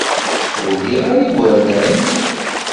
Ur liɣ ara igerdan.